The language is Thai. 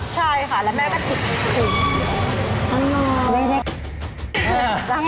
ใช่ค่ะแล้วแม่ก็คิดถึง